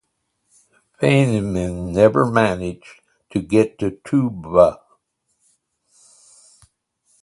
Feynman never managed to get to Tuva.